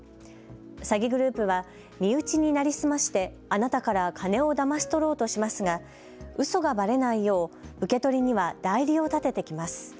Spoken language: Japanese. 詐欺グループは身内に成り済ましてあなたから金をだまし取ろうとしますがうそがばれないよう受け取りには代理を立ててきます。